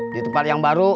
di tempat yang baru